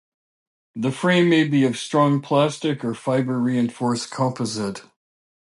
The frame may be of strong plastic or fibre reinforced composite.